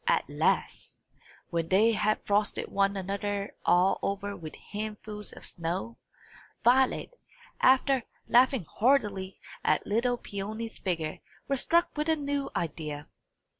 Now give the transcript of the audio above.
At last, when they had frosted one another all over with handfuls of snow, Violet, after laughing heartily at little Peony's figure, was struck with a new idea.